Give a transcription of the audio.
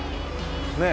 ねえ。